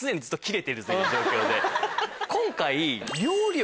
今回。